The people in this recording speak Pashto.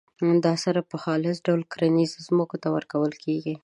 دا سره په خالص ډول کرنیزو ځمکو ته ورکول کیږي.